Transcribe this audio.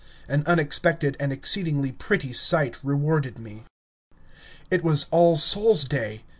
An unexpected and exceedingly pretty sight rewarded me. It was All Souls' Day.